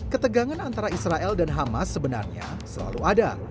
ketegangan antara israel dan hamas sebenarnya selalu ada